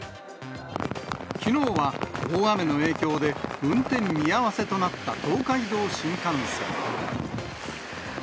きのうは大雨の影響で運転見合わせとなった東海道新幹線。